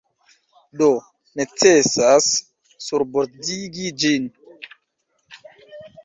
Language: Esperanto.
Do necesas surbordigi ĝin.